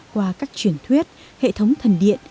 qua các truyền thuyết hệ thống thần điện